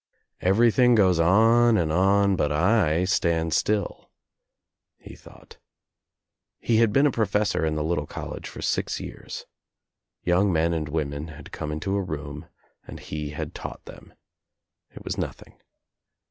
"Everything goes on and on but I stand still," he thought. He had been a professor in the little college for six years. Young men and women had come into a room and he had taught them. It was nothing.